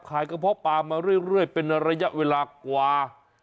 กระเพาะปลามาเรื่อยเป็นระยะเวลากว่า